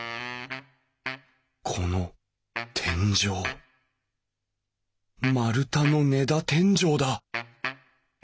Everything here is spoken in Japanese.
この天井丸太の根太天井だ。